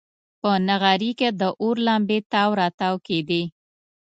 په نغري کې د اور لمبې تاو راتاو کېدې.